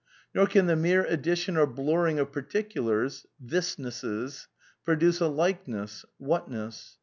Nor can the mere addition or blurring of par ticulars (thisnesses) produce a likeness (whatness).